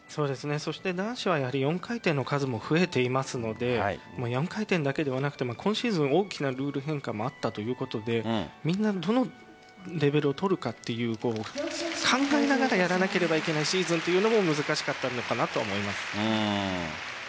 そして男子はやはり４回転の数も増えていますので４回転だけではなくて今シーズン大きなルール変化もあったということでみんなどのレベルを取るかという考えながらやらなければいけないシーズンというのも難しかったと思います。